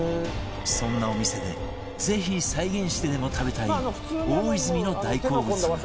そんなお店でぜひ再現してでも食べたい大泉の大好物が